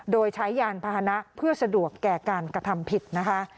โดยใช้ยานพาหนะเพื่อสะดวกแก่การกระทำผิดนะคะ